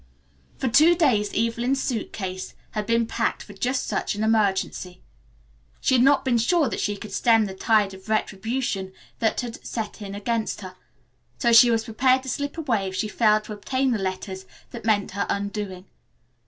For two days Evelyn's suit case had been packed for just such an emergency. She had not been sure that she could stem the tide of retribution that had set in against her, so she was prepared to slip away if she failed to obtain the letters that meant her undoing.